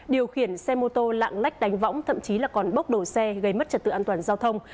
điều khiển xe mô tô lạng lách đánh võng thậm chí là còn bốc đổ xe gây mất trật tự an toàn giao thông